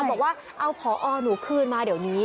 บอกว่าเอาผอหนูคืนมาเดี๋ยวนี้